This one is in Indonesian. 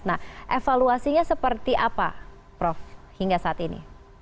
nah evaluasinya seperti apa prof hingga saat ini